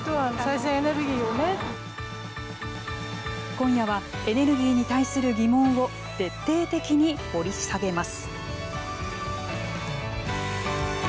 今夜はエネルギーに対する疑問を徹底的に掘り下げます。